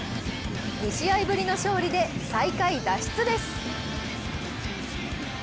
２試合ぶりの勝利で最下位脱出です。